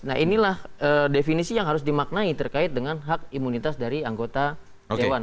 nah inilah definisi yang harus dimaknai terkait dengan hak imunitas dari anggota dewan